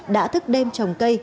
đã thức đêm trồng cây